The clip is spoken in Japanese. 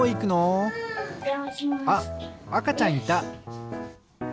あっあかちゃんいた。